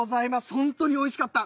本当に美味しかった。